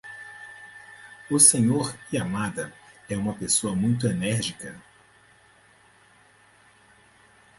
O Sr. Yamada é uma pessoa muito enérgica.